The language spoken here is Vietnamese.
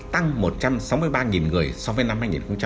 tăng một trăm sáu mươi ba người so với năm hai nghìn một mươi tám